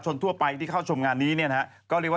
จากกระแสของละครกรุเปสันนิวาสนะฮะ